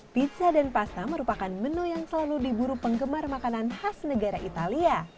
pizza dan pasta merupakan menu yang selalu diburu penggemar makanan khas negara italia